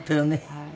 はい。